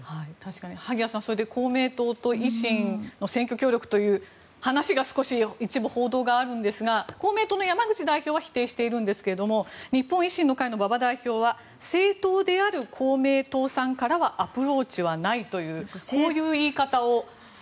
萩谷さん公明党と維新の選挙協力という一部、報道がありますが公明党の山口代表は否定しているんですが日本維新の会の馬場代表は政党である公明党さんからはアプローチはないというこういう言い方をしています。